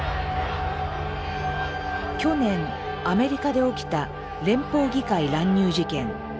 去年アメリカで起きた連邦議会乱入事件。